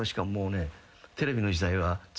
テレビの時代は。